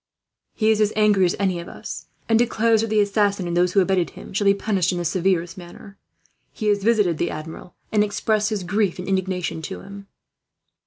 "He is as angry as any of us; and declares that the assassin, and those who abetted him, shall be punished in the severest manner. He has visited the Admiral, and expressed his grief and indignation to him."